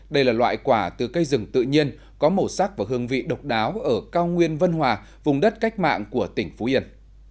đây là loại quả từ cây rừng tự nhiên có màu sắc và hương vị độc đáo ở cao nguyên vân hòa vùng đất cách mạng của tỉnh phú yên